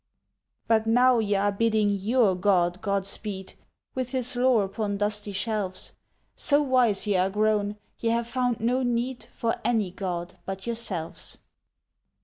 But now ye are bidding your God god speed With his lore upon dusty shelves; So wise ye are grown, ye have found no need For any god but yourselves.